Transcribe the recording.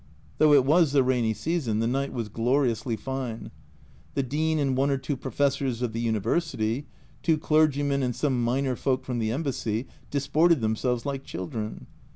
Though it was the rainy season, the night was gloriously fine. The Dean and one or two Professors of the University, two clergymen and some minor folk from the Embassy disported themselves like children.